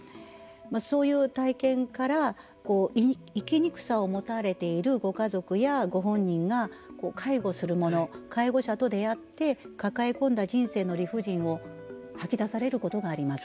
そういう体験から生きにくさを持たれているご家族やご本人が介護する者介護者と出会って抱え込んだ人生の理不尽を吐き出されることがあります。